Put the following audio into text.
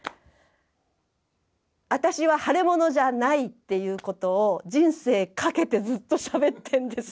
あたしは腫れ物じゃないっていうことを人生かけてずっとしゃべってんですよ。